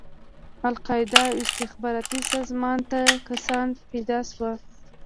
القاعده او استخباراتي سازمان ته کسان پيدا شول.